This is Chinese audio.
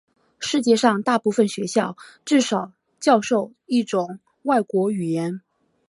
世界上大部分学校都至少教授一种外国语言。